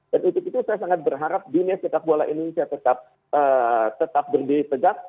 dan untuk itu saya sangat berharap dunia sepak bola indonesia tetap berdiri tegak